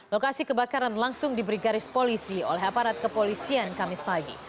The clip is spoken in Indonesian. lokasi kebakaran langsung diberi garis polisi oleh aparat kepolisian kamis pagi